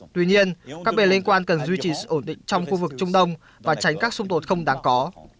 tuy nhiên các bên liên quan cần duy trì ổn định trong khu vực trung đông và tránh các xung tột không đáng có